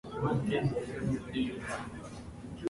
Thomas Drugs official website